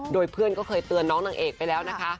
โดยเพื่อนก็เคยเตือนน้องนางเอกไปแล้วนะคะ